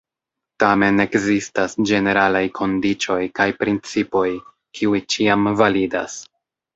Tamen ekzistas ĝeneralaj kondiĉoj kaj principoj, kiuj ĉiam validas.